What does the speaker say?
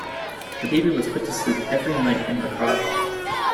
The baby was put to sleep every night in her cot